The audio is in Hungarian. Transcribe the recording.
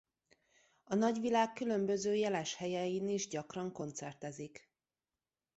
A nagyvilág különböző jeles helyein is gyakran koncertezik.